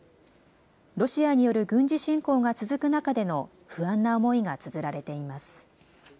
ロシアによる軍事侵攻が続く中での不安な思いがつづられています。